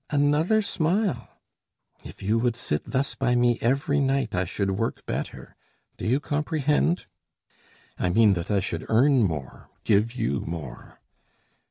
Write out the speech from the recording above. Another smile? If you would sit thus by me every night, I should work better do you comprehend? I mean that I should earn more, give you more.